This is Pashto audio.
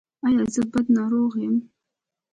ایا زه بد ناروغ یم؟